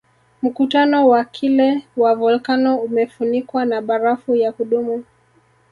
Mkutano wa kilee wa volkano umefunikwa na barafu ya kudumu